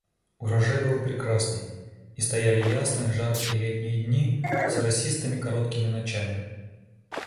Урожай был прекрасный, и стояли ясные, жаркие летние дни с росистыми короткими ночами.